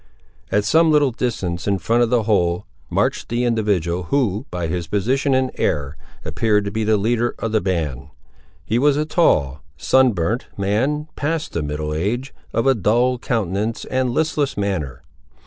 At some little distance in front of the whole, marched the individual, who, by his position and air, appeared to be the leader of the band. He was a tall, sun burnt, man, past the middle age, of a dull countenance and listless manner.